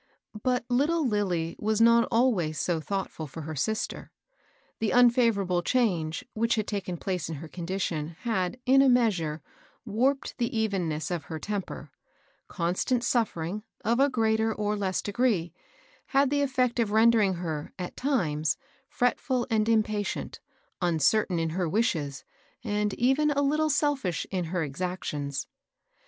But httle Lillie was not always so thoughtftd for her sister. The unfavorable change, which had taken place in her condition had, in a measure, warped the evenness of her temper. Constant suffering, of a greater or less degree, had the effect of rendering her, at times, fretful and impatient, uncertain in her wishes, and even a httle selfish in her exactions.